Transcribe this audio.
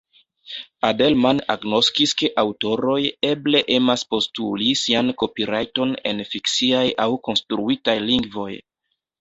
Adelman agnoskis ke aŭtoroj eble emas postuli sian kopirajton en fikciaj aŭ konstruitaj lingvoj